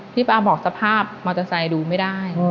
ป้าบอกสภาพมอเตอร์ไซค์ดูไม่ได้